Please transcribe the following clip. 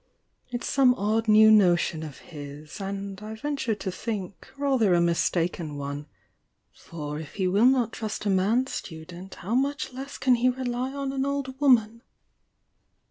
It's some odd new notion of his, and, I venture to think, rather a mistaken one — for if he will not trust a man student, how much less can he rely on an old woman!"